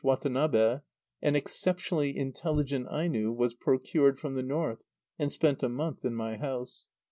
Watanabe, an exceptionally intelligent Aino was procured from the North, and spent a month in my house.